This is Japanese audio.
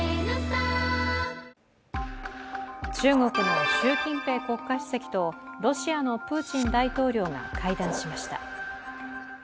中国の習近平国家主席とロシアのプーチン大統領が会談しました。